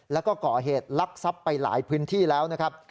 แล้วก็ก่อเหตุลักษัพไปหลายพื้นที่แล้วนะครับ